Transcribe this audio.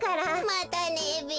またねべ。